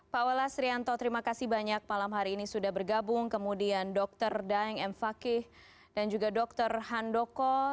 pak welas rianto terima kasih banyak malam hari ini sudah bergabung kemudian dr daeng m fakih dan juga dr handoko